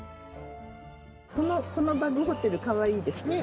このバグホテルかわいいですよね。